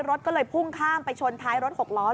รถก็เลยพุ่งข้ามไปชนท้ายรถหกล้อ